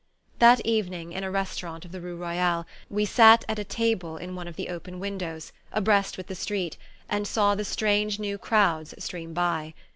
That evening, in a restaurant of the rue Royale, we sat at a table in one of the open windows, abreast with the street, and saw the strange new crowds stream by.